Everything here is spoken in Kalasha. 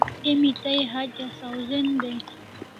Emi tai hatya sawzen dai